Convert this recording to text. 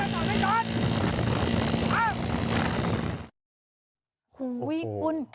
มันจะจอดล่ะก่อน